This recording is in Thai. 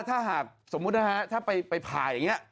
ถ้าถ้าไปภายอย่างงี้